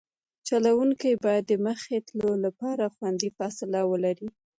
چلوونکی باید د مخکې تلو لپاره خوندي فاصله ولري